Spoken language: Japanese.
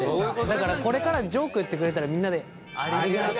だからこれからジョーク言ってくれたらみんなでやめろ！